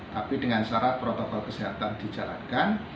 tapi dengan syarat protokol kesehatan dijalankan